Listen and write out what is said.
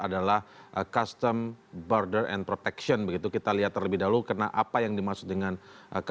saya mengucapkan terima kasih ibu tni se summers